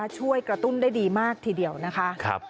ช่วยกระตุ้นได้ดีมากทีเดียวนะคะ